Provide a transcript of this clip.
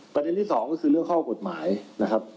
ประเด็นที่สองก็คือเรื่องข้อกฎหมายนะครับ